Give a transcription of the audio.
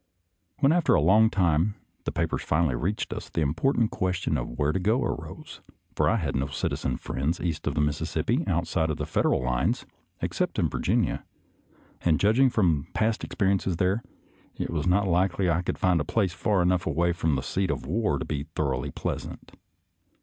When, after a long time, the papers finally reached us, the impor tant question of where to go arose, for I had no citizen friends east of the Mississippi outside of the Federal lines, except in Virginia, and, judging from past experiences there, it was not likely I could find a place far enough away from the seat of war to be thoroughly pleasant.